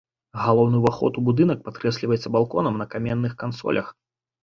Галоўны ўваход у будынак падкрэсліваецца балконам на каменных кансолях.